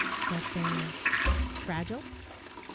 "That they're ..." "Fragile?"